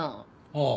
ああ。